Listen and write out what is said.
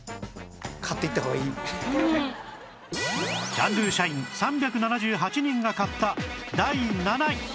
キャンドゥ社員３７８人が買った